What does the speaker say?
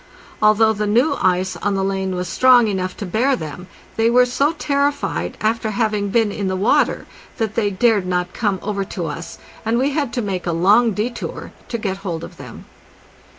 Although the new ice on the lane was strong enough to bear them, they were so terrified after having been in the water that they dared not come over to us, and we had to make a long detour to get hold of them.